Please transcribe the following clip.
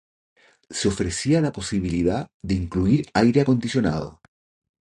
Se ofrecía la posibilidad de incluir aire acondicionado.